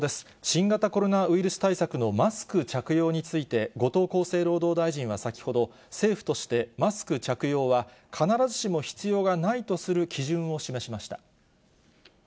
新型コロナウイルス対策のマスク着用について、後藤厚生労働大臣は先ほど、政府として、マスク着用は必ずしも必要がないとする基準を示しました。